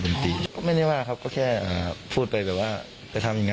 ผมตีก็ไม่ได้ว่าครับก็แค่พูดไปแบบว่าไปทำอย่างเ